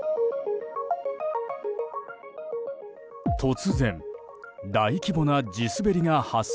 突然、大規模な地滑りが発生。